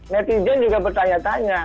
netizen juga bertanya tanya